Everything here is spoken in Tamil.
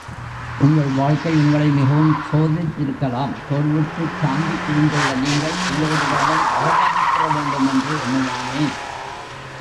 உங்கள் வாழ்க்கை உங்களை மிகவும் சோதித்திருக்கலாம் சோர்வுற்றுச் சாம்பிக் குவிந்துள்ள நீங்கள் எல்லோரிடமும் அவமதிப்புற வேண்டும் என்று எண்ணுவானேன்?...